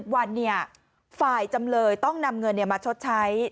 วันฝ่ายจำเลยต้องนำเงินมาชดใช้